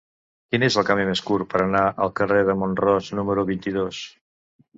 Quin és el camí més curt per anar al carrer de Mont-ros número vint-i-dos?